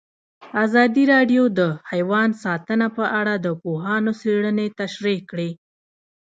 ازادي راډیو د حیوان ساتنه په اړه د پوهانو څېړنې تشریح کړې.